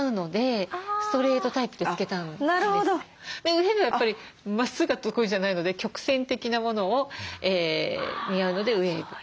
ウエーブはまっすぐが得意じゃないので曲線的なものを似合うのでウエーブ。